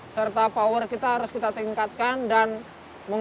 serta power kita harus kita tingkatkan dan mengungkapkan